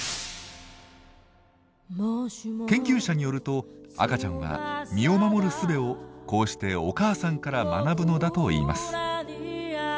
研究者によると赤ちゃんは身を守るすべをこうしてお母さんから学ぶのだといいます。